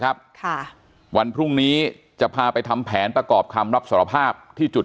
ครับค่ะวันพรุ่งนี้จะพาไปทำแผนประกอบคำรับสารภาพที่จุด